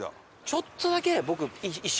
ちょっとだけ僕。